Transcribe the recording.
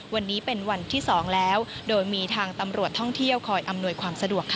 วันนี้เป็นวันที่๒แล้วโดยมีทางตำรวจท่องเที่ยวคอยอำนวยความสะดวกค่ะ